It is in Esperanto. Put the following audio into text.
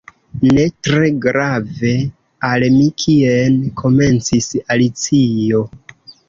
"Ne tre grave al mi kien " komencis Alicio.